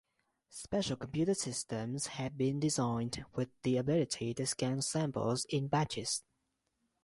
Special computer systems have been designed with the ability to scan samples in batches.